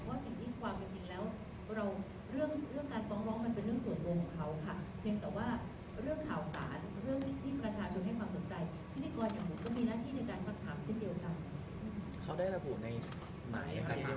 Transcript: เพราะสิ่งที่ความจริงแล้วเรื่องการฟ้องร้องเป็นเรื่องส่วนตัวของเค้า